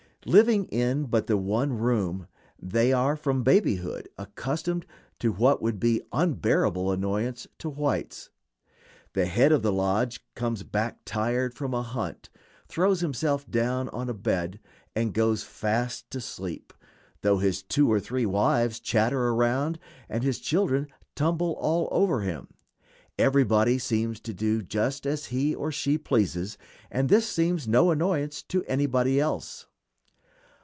Living in but the one room, they are from babyhood accustomed to what would be unbearable annoyance to whites. The head of the lodge comes back tired from a hunt, throws himself down on a bed, and goes fast to sleep, though his two or three wives chatter around and his children tumble all over him. Everybody seems to do just as he or she pleases, and this seems no annoyance to anybody else.